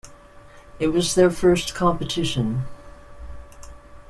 It was their first competition.